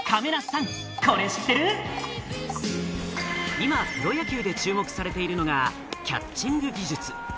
今、プロ野球で注目されているのがキャッチング技術。